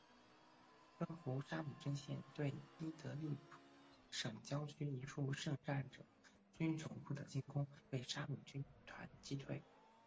征服沙姆阵线对伊德利卜省郊区一处圣战者军总部的进攻被沙姆军团击退。